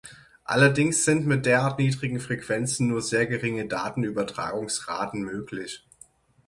Allerdings sind mit derart niedrigen Frequenzen nur sehr geringe Datenübertragungsraten möglich.